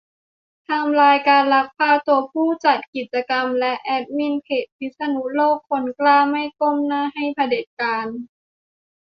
ไทม์ไลน์การลักพาตัวผู้จัดกิจกรรมและแอดมินเพจ พิษณุโลกคนกล้าไม่ก้มหน้าให้เผด็จการ